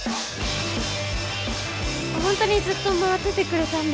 「本当にずっと回っててくれたんだ」